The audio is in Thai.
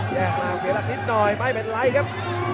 แยะล่างเสียร่างนิดหน่อยไม่เป็นไรครับ